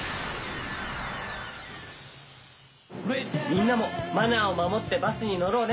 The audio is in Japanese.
みんなもマナーをまもってバスにのろうね。